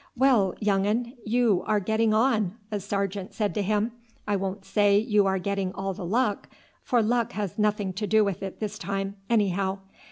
"Well, young un, you are getting on," a sergeant said to him. "I won't say you are getting all the luck, for luck has nothing to do with it this time, anyhow.